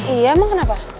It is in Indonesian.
iya emang kenapa